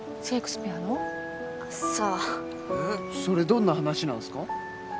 それどんな話なんすか？